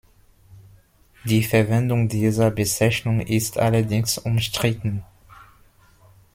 Die Verwendung dieser Bezeichnung ist allerdings umstritten.